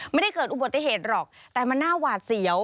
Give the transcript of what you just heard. ไม่ได้เกิดอุบัติเหตุหรอกแต่มันน่าหวาดเสียว